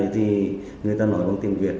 có phải được tự nhiên